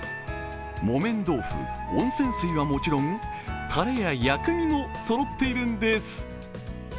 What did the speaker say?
木綿豆腐、温泉水はもちろんタレや薬味もそろっているんです。